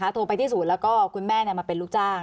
โทรไปที่ศูนย์แล้วก็คุณแม่มาเป็นลูกจ้าง